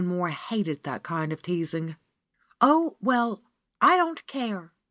Simon Mohr hated that kind of teasing. "Oh, well, I don't care